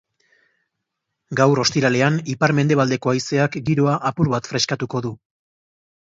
Gaur ostiralean, ipar-mendebaldeko haizeak giroa apur bat freskatuko du.